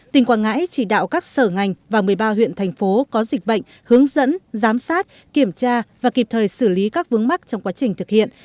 tỉnh quảng ngãi chỉ đạo các sở ngành và một mươi ba huyện thành phố có dịch bệnh hướng dẫn giám sát kiểm tra và kịp thời xử lý các vướng mắc trong quá trình thực hiện